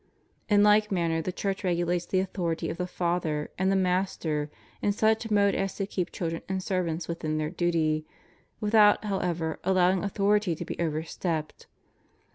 In like manner the Church regulates the authority of the father and the master in such mode as to keep children and servants within their duty, without, however, allowing authority to be overstepped.